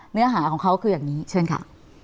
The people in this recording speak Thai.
เนื้อหาของเขาคืออย่างนี้เชิญค่ะ